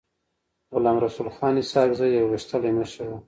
غلام رسول خان اسحق زی يو غښتلی مشر و.